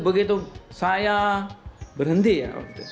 begitu saya berhenti ya